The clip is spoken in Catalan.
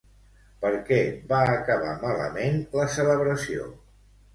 Per què va acabar malament la celebració?